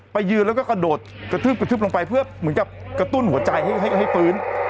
ยืนแล้วก็กระโดดกระทืบกระทืบลงไปเพื่อเหมือนกับกระตุ้นหัวใจให้ฟื้น